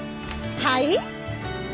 はい？